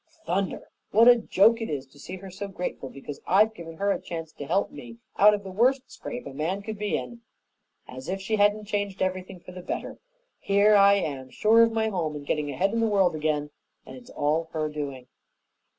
Thunder! What a joke it is to see her so grateful because I've given her a chance to help me out of the worst scrape a man could be in! As if she hadn't changed everything for the better! Here I am sure of my home and getting ahead in the world again, and it's all her doing."